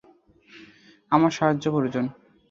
আমার সাহায্য প্রয়োজন।